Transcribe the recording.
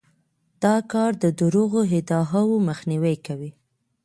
دا کار د دروغو ادعاوو مخنیوی کوي.